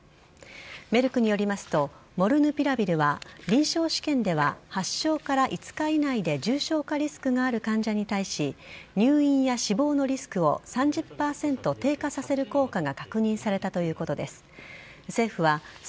メルクによりますとモルヌピラビルは臨床試験では発症から５日以内で重症化リスクがある患者に対し入院や死亡のリスクを３０％低下させる効果が確認されたということです。